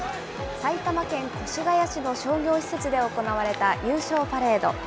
埼玉県越谷市の商業施設で行われた優勝パレード。